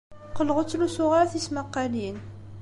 Qqleɣ ur ttlusuɣ ara tismaqqalin.